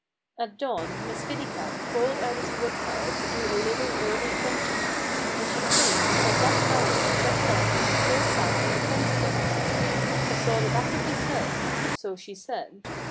At dawn Miss Kitty Cat crawled out of the woodpile to do a little early hunting. And she claimed that at that hour Jack O'Lantern still sat on the fence post. She saw the back of his head so she said.